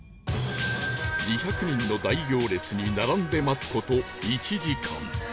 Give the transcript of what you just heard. ２００人の大行列に並んで待つ事１時間